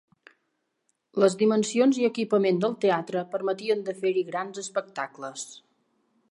Les dimensions i equipament del teatre permetien de fer-hi grans espectacles.